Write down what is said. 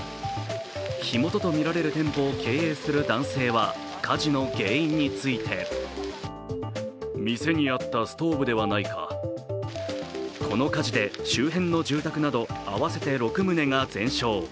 火元とみられる店舗を経営する男性は火事の原因についてこの火事で周辺の住宅など合わせて６棟が全焼。